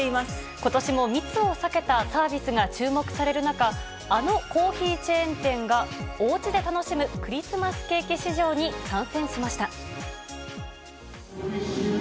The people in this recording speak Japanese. ことしも密を避けたサービスが注目される中、あのコーヒーチェーン店が、おうちで楽しむクリスマスケーキ市場に参戦しました。